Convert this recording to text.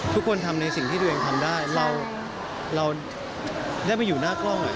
ทุกคนทำในสิ่งที่ตัวเองทำได้เราได้ไปอยู่หน้ากล้อง